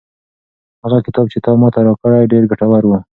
هغه کتاب چې تا ماته راکړ ډېر ګټور و.